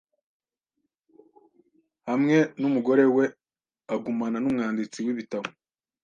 hamwe numugore we agumana numwanditsi wibitabo